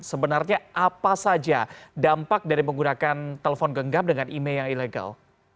sebenarnya apa saja dampak dari menggunakan telepon genggam dengan email yang ilegal